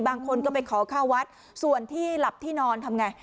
บางคนก็ไปขอข้าววัดส่วนที่หลับที่นอนทำไง